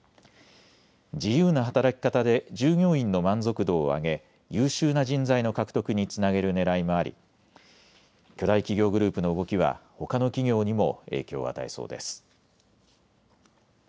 自由な働き方で従業員の満足度を上げ、優秀な人材の獲得につなげるねらいもあり巨大企業グループの動きはほかの企業にも影響を与えそうです。